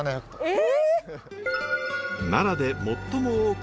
え！